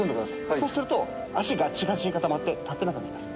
そうすると脚ガッチガチに固まって立てなくなります。